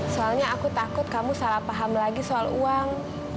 soalnya aku takut kamu salah paham lagi soal uang